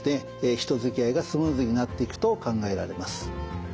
人づきあいがスムーズになっていくと考えられます。